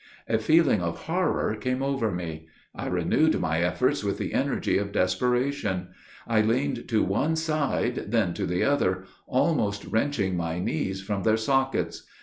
A feeling of horror came over me. I renewed my efforts with the energy of desperation. I leaned to one side, then to the other, almost wrenching my knees from their sockets.